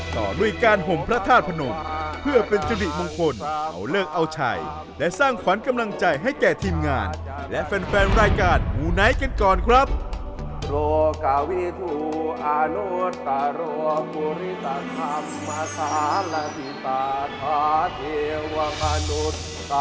โรควิธุอานุสตะโรคภุริษฐธรรมศาสตราภิษฐธาเทวมนุสตะนังบูชโภพกวาส